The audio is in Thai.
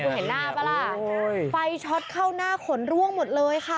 คุณเห็นหน้าป่ะล่ะไฟช็อตเข้าหน้าขนร่วงหมดเลยค่ะ